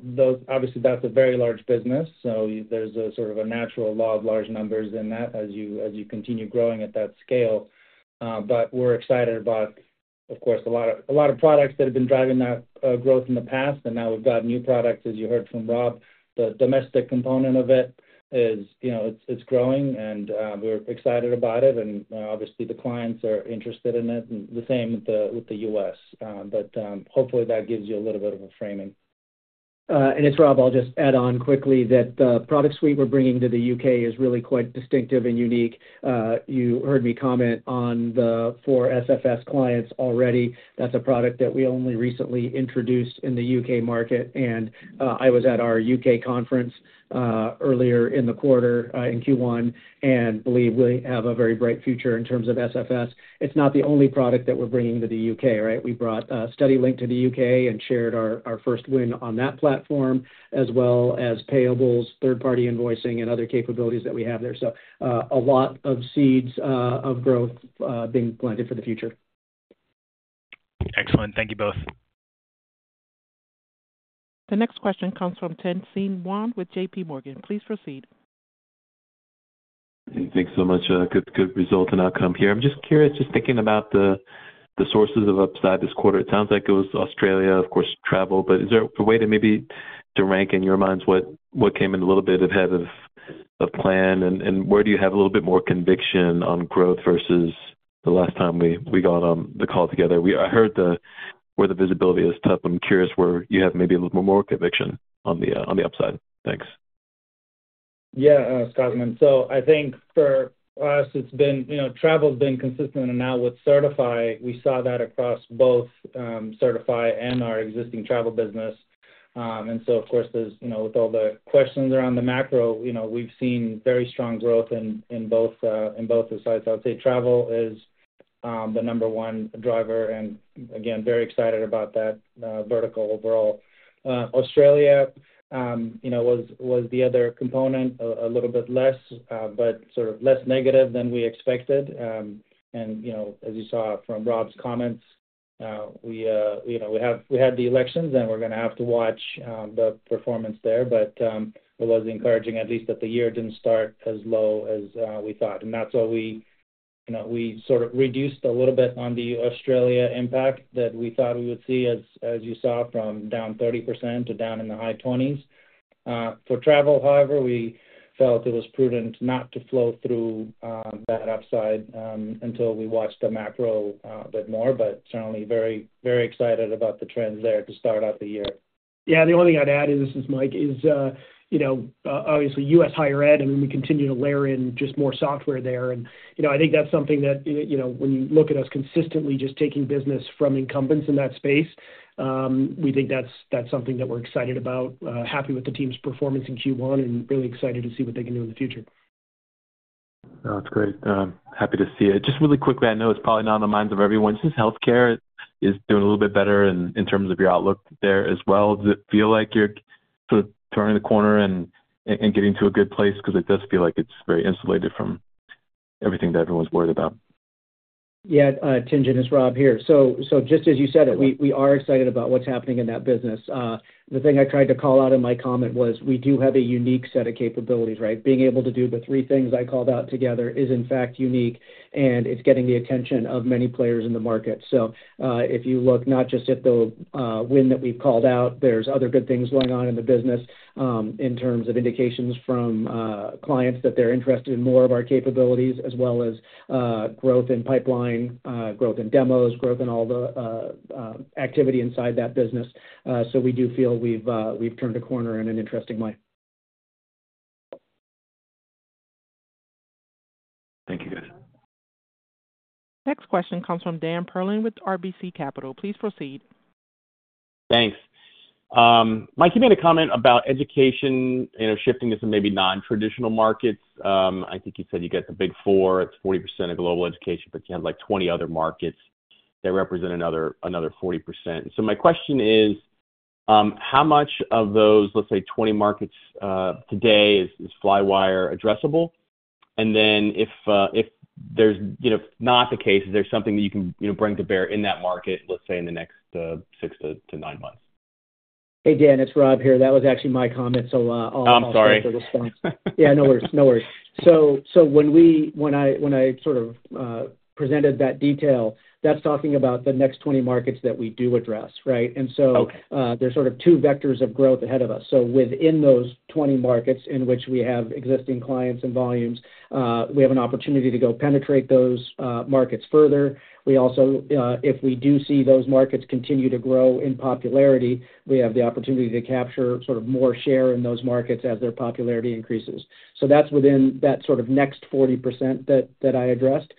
obviously, that is a very large business, so there is a sort of a natural law of large numbers in that as you continue growing at that scale. We are excited about, of course, a lot of products that have been driving that growth in the past, and now we have got new products, as you heard from Rob. The domestic component of it is growing, and we are excited about it. Obviously, the clients are interested in it, and the same with the U.S. Hopefully, that gives you a little bit of a framing. It's Rob. I'll just add on quickly that the product suite we're bringing to the U.K. is really quite distinctive and unique. You heard me comment on the four SFS clients already. That's a product that we only recently introduced in the U.K. market. I was at our U.K. conference earlier in the quarter in Q1 and believe we have a very bright future in terms of SFS. It's not the only product that we're bringing to the U.K., right? We brought StudyLink to the U.K. and shared our first win on that platform, as well as payables, third-party invoicing, and other capabilities that we have there. A lot of seeds of growth are being planted for the future. Excellent. Thank you both. The next question comes from Tien-Tsin Huang with JPMorgan. Please proceed. Thanks so much. Good result and outcome here. I'm just curious, just thinking about the sources of upside this quarter, it sounds like it was Australia, of course, travel. Is there a way to maybe rank in your minds what came in a little bit ahead of plan, and where do you have a little bit more conviction on growth versus the last time we got on the call together? I heard where the visibility is tough. I'm curious where you have maybe a little bit more conviction on the upside. Thanks. Yeah, Cosmin. I think for us, it's been travel's been consistent, and now with Sertifi, we saw that across both Sertifi and our existing travel business. Of course, with all the questions around the macro, we've seen very strong growth in both sides. I would say travel is the number one driver, and again, very excited about that vertical overall. Australia was the other component, a little bit less, but sort of less negative than we expected. As you saw from Rob's comments, we had the elections, and we're going to have to watch the performance there. It was encouraging, at least that the year did not start as low as we thought. That is why we sort of reduced a little bit on the Australia impact that we thought we would see, as you saw, from down 30% to down in the high 20s. For travel, however, we felt it was prudent not to flow through that upside until we watched the macro a bit more, but certainly very excited about the trends there to start out the year. Yeah. The only thing I'd add, and this is Mike, is obviously U.S. higher ed. I mean, we continue to layer in just more software there. I think that's something that when you look at us consistently just taking business from incumbents in that space, we think that's something that we're excited about, happy with the team's performance in Q1, and really excited to see what they can do in the future. That's great. Happy to see it. Just really quickly, I know it's probably not on the minds of everyone. Since healthcare is doing a little bit better in terms of your outlook there as well, does it feel like you're sort of turning the corner and getting to a good place? Because it does feel like it's very insulated from everything that everyone's worried about. Yeah. Tien-Tsin is Rob here. Just as you said, we are excited about what's happening in that business. The thing I tried to call out in my comment was we do have a unique set of capabilities, right? Being able to do the three things I called out together is, in fact, unique, and it's getting the attention of many players in the market. If you look not just at the win that we've called out, there's other good things going on in the business in terms of indications from clients that they're interested in more of our capabilities, as well as growth in pipeline, growth in demos, growth in all the activity inside that business. We do feel we've turned a corner in an interesting way. Thank you, guys. Next question comes from Dan Perlin with RBC Capital. Please proceed. Thanks. Mike, you made a comment about education shifting to some maybe non-traditional markets. I think you said you get the Big Four. It's 40% of global education, but you had like 20 other markets that represent another 40%. So my question is, how much of those, let's say, 20 markets today is Flywire addressable? And then if that's not the case, is there something that you can bring to bear in that market, let's say, in the next six to nine months? Hey, Dan, it's Rob here. That was actually my comment, so I'll answer the response. I'm sorry. Yeah, no worries. No worries. So when I sort of presented that detail, that's talking about the next 20 markets that we do address, right? And so there's sort of two vectors of growth ahead of us. Within those 20 markets in which we have existing clients and volumes, we have an opportunity to go penetrate those markets further. We also, if we do see those markets continue to grow in popularity, we have the opportunity to capture sort of more share in those markets as their popularity increases. That is within that sort of next 40% that I addressed.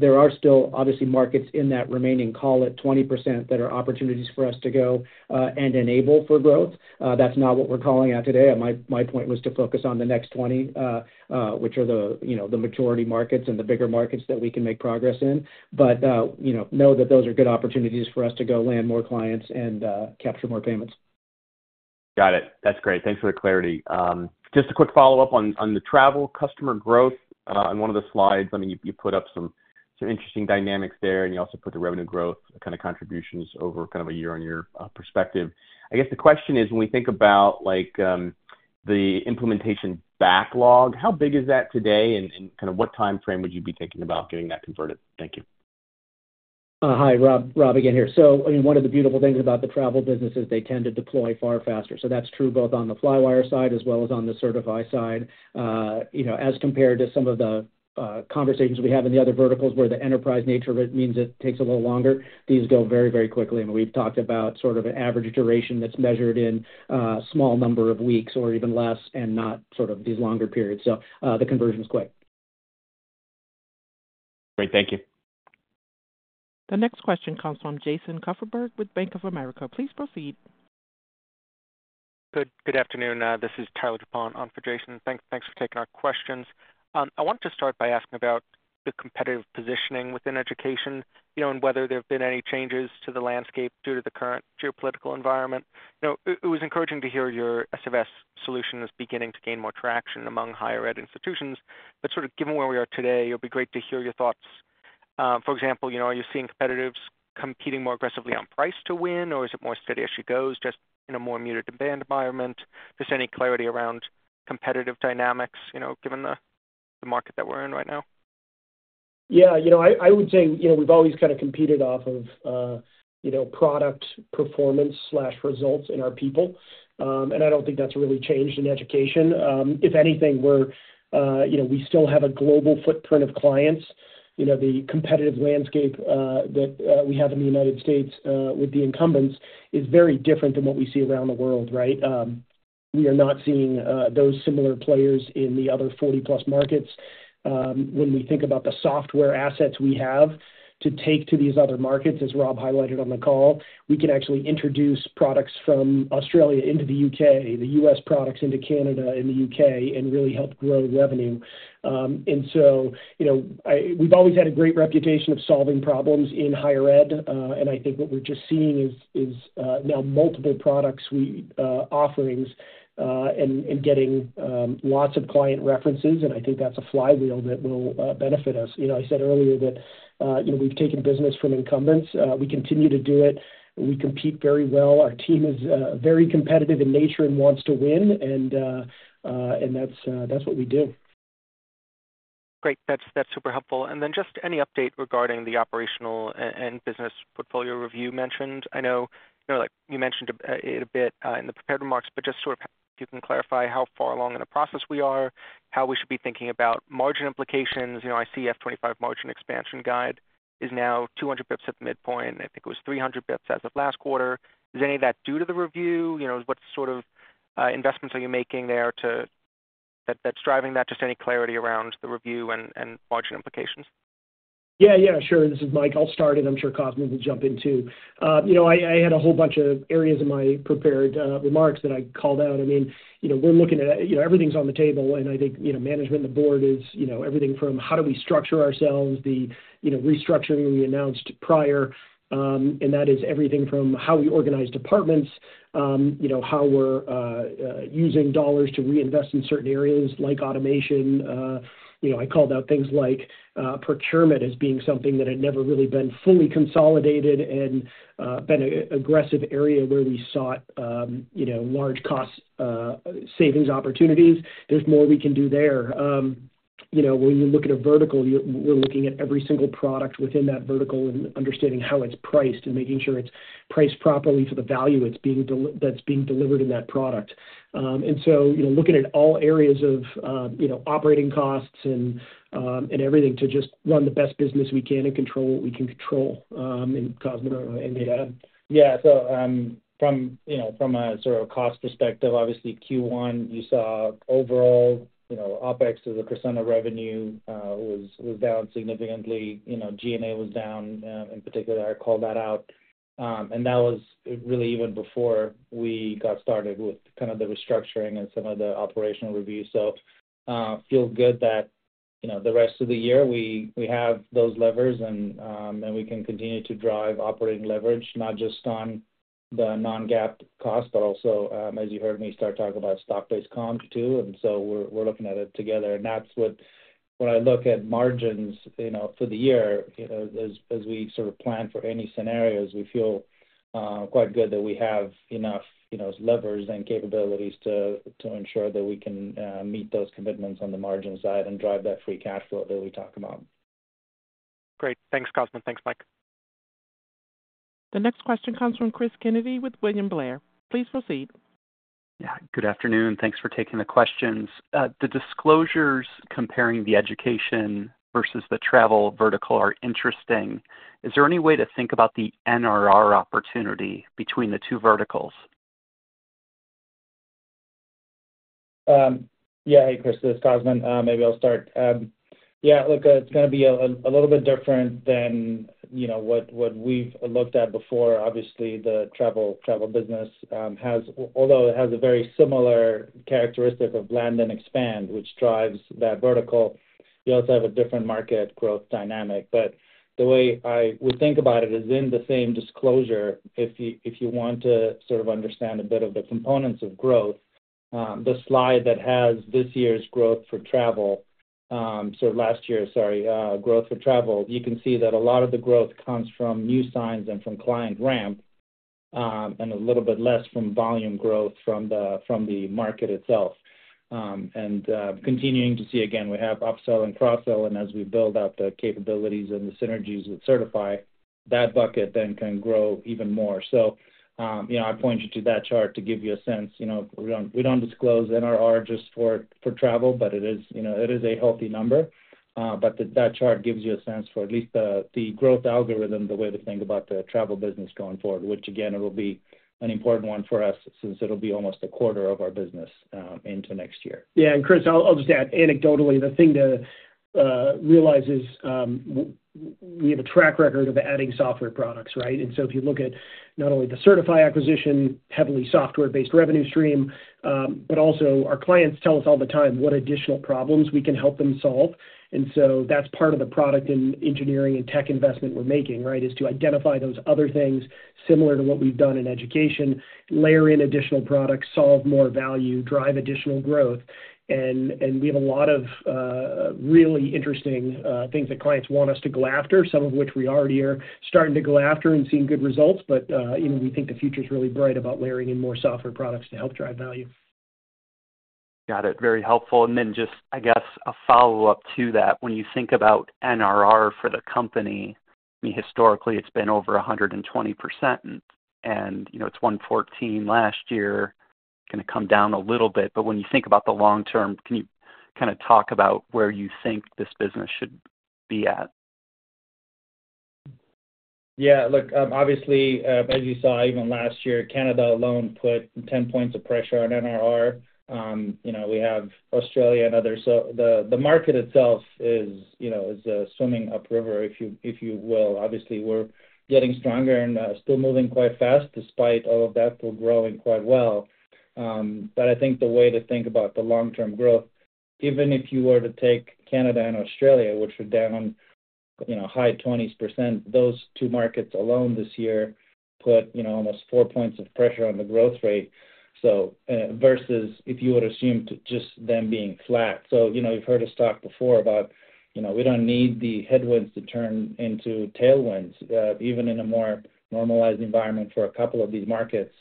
There are still, obviously, markets in that remaining call at 20% that are opportunities for us to go and enable for growth. That is not what we are calling out today. My point was to focus on the next 20, which are the maturity markets and the bigger markets that we can make progress in. Know that those are good opportunities for us to go land more clients and capture more payments. Got it. That is great. Thanks for the clarity. Just a quick follow-up on the travel customer growth on one of the slides. I mean, you put up some interesting dynamics there, and you also put the revenue growth kind of contributions over kind of a year-on-year perspective. I guess the question is, when we think about the implementation backlog, how big is that today, and kind of what timeframe would you be thinking about getting that converted? Thank you. Hi, Rob. Rob again here. I mean, one of the beautiful things about the travel business is they tend to deploy far faster. That is true both on the Flywire side as well as on the Sertifi side. As compared to some of the conversations we have in the other verticals where the enterprise nature of it means it takes a little longer, these go very, very quickly. I mean, we've talked about sort of an average duration that's measured in a small number of weeks or even less and not sort of these longer periods. So the conversion is quick. Great. Thank you. The next question comes from Jason Cufferberg with Bank of America. Please proceed. Good afternoon. This is Tyler DuPont on for Jason. Thanks for taking our questions. I wanted to start by asking about the competitive positioning within education and whether there have been any changes to the landscape due to the current geopolitical environment. It was encouraging to hear your SFS solution is beginning to gain more traction among higher ed institutions. But sort of given where we are today, it would be great to hear your thoughts. For example, are you seeing competitors competing more aggressively on price to win, or is it more steady as she goes, just in a more muted demand environment? Just any clarity around competitive dynamics given the market that we're in right now? Yeah. I would say we've always kind of competed off of product performance/results in our people. And I don't think that's really changed in education. If anything, we still have a global footprint of clients. The competitive landscape that we have in the United States with the incumbents is very different than what we see around the world, right? We are not seeing those similar players in the other 40-plus markets. When we think about the software assets we have to take to these other markets, as Rob highlighted on the call, we can actually introduce products from Australia into the U.K., the U.S. products into Canada and the U.K., and really help grow revenue. We have always had a great reputation of solving problems in higher ed. I think what we are just seeing is now multiple products offerings and getting lots of client references. I think that is a flywheel that will benefit us. I said earlier that we have taken business from incumbents. We continue to do it. We compete very well. Our team is very competitive in nature and wants to win. That is what we do. Great. That is super helpful. Then just any update regarding the operational and business portfolio review mentioned? I know you mentioned it a bit in the prepared remarks, but just sort of if you can clarify how far along in the process we are, how we should be thinking about margin implications. I see F25 margin expansion guide is now 200 bps at the midpoint. I think it was 300 bps as of last quarter. Is any of that due to the review? What sort of investments are you making there that's driving that? Just any clarity around the review and margin implications? Yeah. Yeah. Sure. This is Mike. I'll start, and I'm sure Cosmin will jump in too. I had a whole bunch of areas in my prepared remarks that I called out. I mean, we're looking at everything's on the table. And I think management, the board is everything from how do we structure ourselves, the restructuring we announced prior. That is everything from how we organize departments, how we're using dollars to reinvest in certain areas like automation. I called out things like procurement as being something that had never really been fully consolidated and been an aggressive area where we sought large cost savings opportunities. There's more we can do there. When you look at a vertical, we're looking at every single product within that vertical and understanding how it's priced and making sure it's priced properly for the value that's being delivered in that product. Looking at all areas of operating costs and everything to just run the best business we can and control what we can control. Cosmin, I'm going to— Yeah. From a sort of cost perspective, obviously, Q1, you saw overall OPEX as a percent of revenue was down significantly. G&A was down in particular. I called that out. That was really even before we got started with kind of the restructuring and some of the operational review. Feel good that the rest of the year we have those levers, and we can continue to drive operating leverage, not just on the non-GAAP cost, but also, as you heard me, start talking about stock-based comps too. We are looking at it together. When I look at margins for the year, as we sort of plan for any scenarios, we feel quite good that we have enough levers and capabilities to ensure that we can meet those commitments on the margin side and drive that free cash flow that we talk about. Great. Thanks, Cosmin. Thanks, Mike. The next question comes from Cris Kennedy with William Blair. Please proceed. Yeah. Good afternoon. Thanks for taking the questions. The disclosures comparing the education versus the travel vertical are interesting. Is there any way to think about the NRR opportunity between the two verticals? Yeah. Hey, Chris. This is Cosmin. Maybe I'll start. Yeah. Look, it's going to be a little bit different than what we've looked at before. Obviously, the travel business, although it has a very similar characteristic of land and expand, which drives that vertical, you also have a different market growth dynamic. The way I would think about it is in the same disclosure, if you want to sort of understand a bit of the components of growth, the slide that has this year's growth for travel, so last year, sorry, growth for travel, you can see that a lot of the growth comes from new signs and from client ramp and a little bit less from volume growth from the market itself. Continuing to see, again, we have upsell and cross-sell. As we build up the capabilities and the synergies with Sertifi, that bucket then can grow even more. I point you to that chart to give you a sense. We do not disclose NRR just for travel, but it is a healthy number. That chart gives you a sense for at least the growth algorithm, the way to think about the travel business going forward, which, again, it will be an important one for us since it will be almost a quarter of our business into next year. Yeah. Chris, I'll just add anecdotally, the thing to realize is we have a track record of adding software products, right? If you look at not only the Sertifi acquisition, heavily software-based revenue stream, but also our clients tell us all the time what additional problems we can help them solve. That is part of the product and engineering and tech investment we are making, right, is to identify those other things similar to what we have done in education, layer in additional products, solve more value, drive additional growth. We have a lot of really interesting things that clients want us to go after, some of which we already are starting to go after and seeing good results. We think the future is really bright about layering in more software products to help drive value. Got it. Very helpful. And then just, I guess, a follow-up to that. When you think about NRR for the company, I mean, historically, it's been over 120%, and it's 114% last year. It's going to come down a little bit. When you think about the long term, can you kind of talk about where you think this business should be at? Yeah. Look, obviously, as you saw, even last year, Canada alone put 10 percentage points of pressure on NRR. We have Australia and others. The market itself is a swimming upriver, if you will. Obviously, we're getting stronger and still moving quite fast despite all of that for growing quite well. I think the way to think about the long-term growth, even if you were to take Canada and Australia, which are down high 20%, those two markets alone this year put almost four points of pressure on the growth rate versus if you would assume just them being flat. You have heard us talk before about we do not need the headwinds to turn into tailwinds. Even in a more normalized environment for a couple of these markets,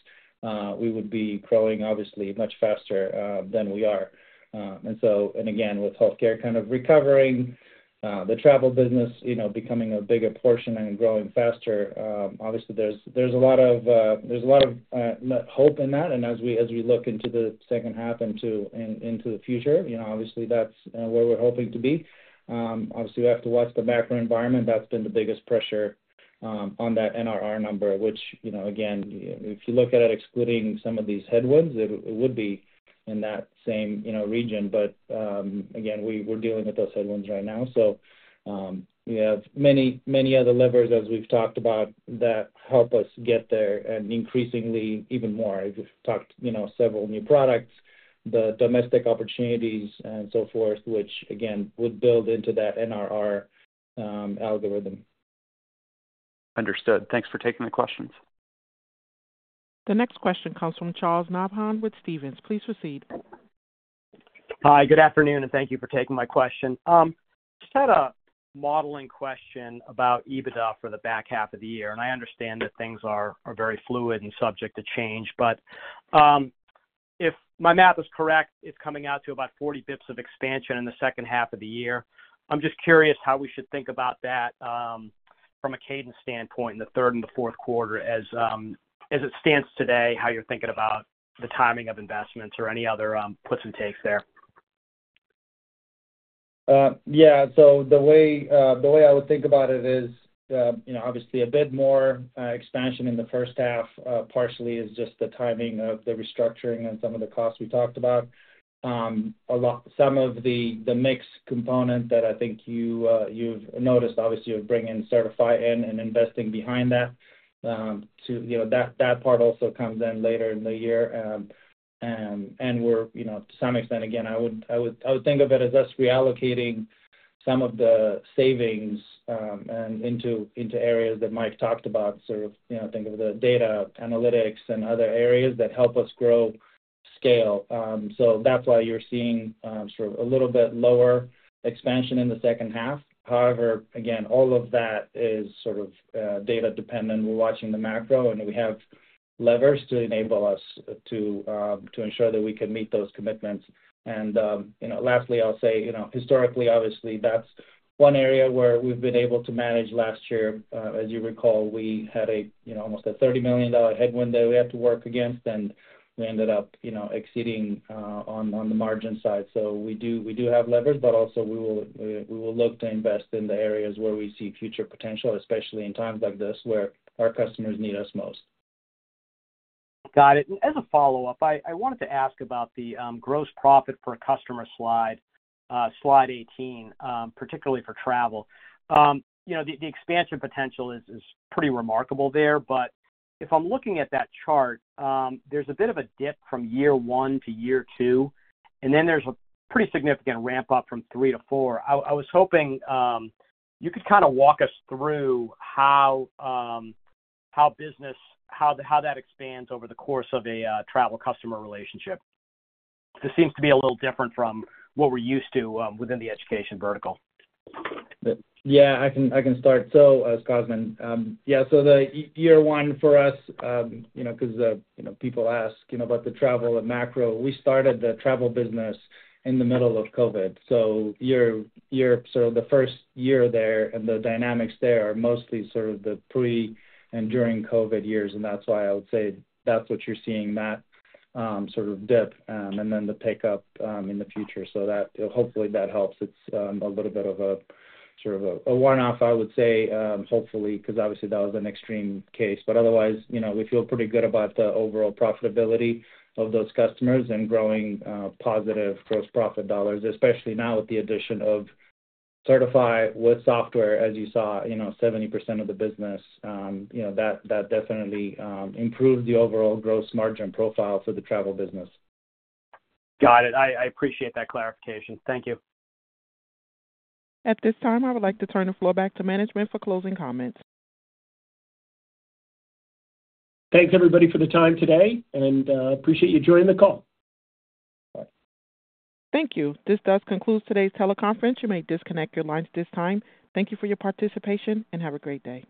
we would be growing, obviously, much faster than we are. Again, with healthcare kind of recovering, the travel business becoming a bigger portion and growing faster, obviously, there is a lot of hope in that. As we look into the second half into the future, obviously, that is where we are hoping to be. Obviously, we have to watch the macro environment. That's been the biggest pressure on that NRR number, which, again, if you look at it excluding some of these headwinds, it would be in that same region. We are dealing with those headwinds right now. We have many other levers, as we've talked about, that help us get there and increasingly even more. We've talked several new products, the domestic opportunities, and so forth, which, again, would build into that NRR algorithm. Understood. Thanks for taking the questions. The next question comes from Charles Nabhan with Stevens. Please proceed. Hi. Good afternoon, and thank you for taking my question. Just had a modeling question about EBITDA for the back half of the year. I understand that things are very fluid and subject to change. If my math is correct, it's coming out to about 40 bps of expansion in the second half of the year. I'm just curious how we should think about that from a cadence standpoint in the third and the fourth quarter as it stands today, how you're thinking about the timing of investments or any other puts and takes there. Yeah. The way I would think about it is obviously a bit more expansion in the first half, partially is just the timing of the restructuring and some of the costs we talked about. Some of the mix component that I think you've noticed, obviously, of bringing Sertifi in and investing behind that, that part also comes in later in the year. To some extent, again, I would think of it as us reallocating some of the savings into areas that Mike talked about, sort of think of the data analytics and other areas that help us grow scale. That is why you're seeing sort of a little bit lower expansion in the second half. However, again, all of that is sort of data-dependent. We're watching the macro, and we have levers to enable us to ensure that we can meet those commitments. Lastly, I'll say historically, obviously, that's one area where we've been able to manage last year. As you recall, we had almost a $30 million headwind that we had to work against, and we ended up exceeding on the margin side. We do have levers, but also we will look to invest in the areas where we see future potential, especially in times like this where our customers need us most. Got it. As a follow-up, I wanted to ask about the gross profit per customer slide, slide 18, particularly for travel. The expansion potential is pretty remarkable there. If I'm looking at that chart, there's a bit of a dip from year one to year two, and then there's a pretty significant ramp up from three to four. I was hoping you could kind of walk us through how business, how that expands over the course of a travel customer relationship. This seems to be a little different from what we're used to within the education vertical. Yeah. I can start. Cosmin, yeah. The year one for us, because people ask about the travel and macro, we started the travel business in the middle of COVID. You're sort of the first year there, and the dynamics there are mostly sort of the pre and during COVID years. That's why I would say that's what you're seeing, that sort of dip and then the pickup in the future. Hopefully, that helps. It's a little bit of a sort of a one-off, I would say, hopefully, because obviously, that was an extreme case. Otherwise, we feel pretty good about the overall profitability of those customers and growing positive gross profit dollars, especially now with the addition of Sertifi with software, as you saw, 70% of the business. That definitely improves the overall gross margin profile for the travel business. Got it. I appreciate that clarification. Thank you. At this time, I would like to turn the floor back to management for closing comments. Thanks, everybody, for the time today, and appreciate you joining the call. Thank you. This does conclude today's teleconference. You may disconnect your lines at this time. Thank you for your participation, and have a great day.